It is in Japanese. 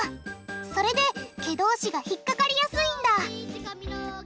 それで毛同士が引っ掛かりやすいんだ